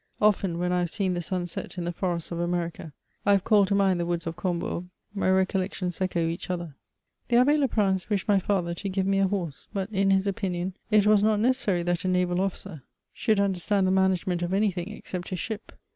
Often, when I have seen the sun set in the forests of America, I have called to mind the woods of Combourg ; my recol lections echo each other. The Abb^ Leprince wished my father to give me a horse ; but, in his opinion, it was not necessary that a naval officer should understand the management of anything except his ship.